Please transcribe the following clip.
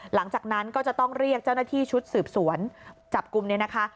หลังจากนั้นก็จะต้องเรียกเจ้าหน้าที่ชุดสืบสวนจับกลุ่มเนี่ยนะคะ